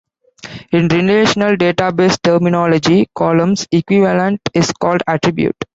In relational database terminology, column's equivalent is called attribute.